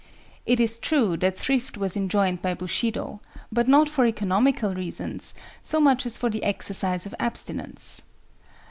It is true that thrift was enjoined by Bushido, but not for economical reasons so much as for the exercise of abstinence.